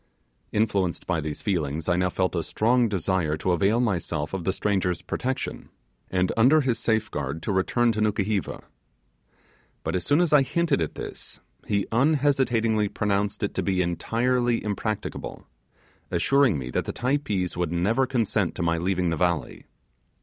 Influenced by these feelings, I now felt a strong desire to avail myself of the stranger's protection, and under his safeguard to return to Nukuheva. But as soon as I hinted at this, he unhesitatingly pronounced it to be entirely impracticable; assuring me that the Typees would never consent to my leaving the valley.